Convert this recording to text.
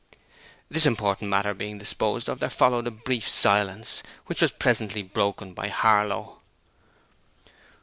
This important matter being disposed of, there followed a brief silence, which was presently broken by Harlow.